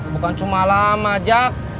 bukan cuma lama jack